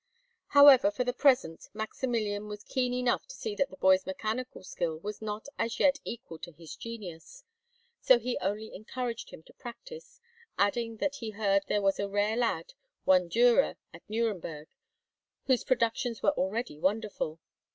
However, for the present, Maximilian was keen enough to see that the boy's mechanical skill was not as yet equal to his genius; so he only encouraged him to practise, adding that he heard there was a rare lad, one Dürer, at Nuremburg, whose productions were already wonderful.